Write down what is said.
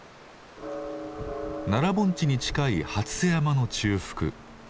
奈良盆地に近い初瀬山の中腹。